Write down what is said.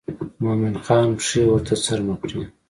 مومن خان پښې ورته څرمه کړې.